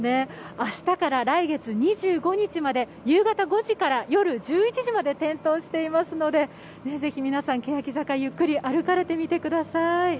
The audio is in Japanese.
明日から来月２５日まで、夕方５時から夜１１時まで点灯していますので皆さん、ぜひけやき坂、ゆっくり歩かれてみてください。